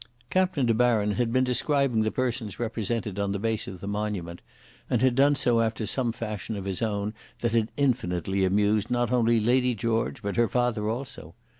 Captain De Baron had been describing the persons represented on the base of the monument, and had done so after some fashion of his own that had infinitely amused not only Lady George but her father also.